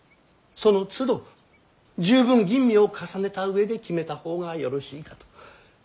そのつど十分吟味を重ねた上で決めた方がよろしいかと。